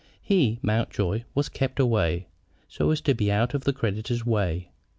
He, Mountjoy, was kept away, so as to be out of the creditors' way.